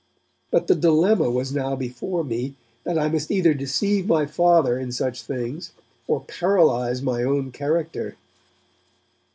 But the dilemma was now before me that I must either deceive my Father in such things or paralyse my own character.